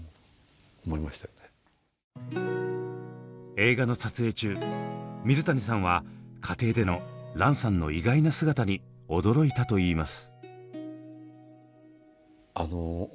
映画の撮影中水谷さんは家庭での蘭さんの意外な姿に驚いたといいます。